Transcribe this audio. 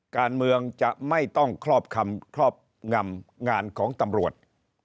การเมืองจะไม่ต้องครอบคำครอบงำงานของตำรวจ